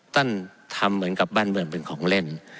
ท่านทำเหมือนกับบ้านเมืองเป็นของเล่น